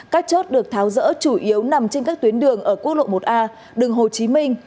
các chốt được tháo rỡ chủ yếu nằm trên các tuyến đường ở quốc lộ một a đường hồ chí minh